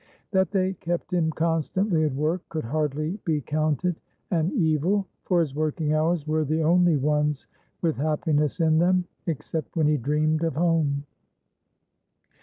That they kept him constantly at work could hardly be counted an evil, for his working hours were the only ones with happiness in them, except when he dreamed of home.